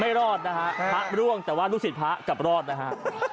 ไม่รอดนะฮะพระร่วงแต่ว่าลูกศิษย์พระกลับรอดนะฮะ